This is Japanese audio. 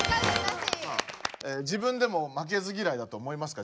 自分でも負けず嫌いだと思いますか？